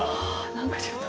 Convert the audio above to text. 何かちょっと。